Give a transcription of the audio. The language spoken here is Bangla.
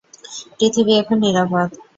পৃথিবী এখন নিরাপদ।